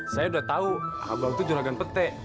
saya udah tahu abang itu jualan petai